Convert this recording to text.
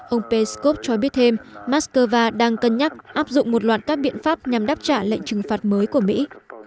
ông peskov cho biết thêm moscow đang cân nhắc áp dụng một loạt các biện pháp nhằm đáp trả lệnh trừng phạt mới của mỹ